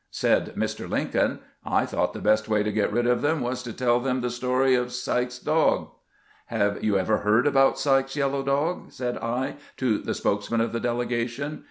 Said Mr. Lincoln :' I thought the best way to get rid of them was to tell them the story of Sykes's dog. " Have you ever heard about Sykes's yellow dog! " said I to the spokesman of the delegation.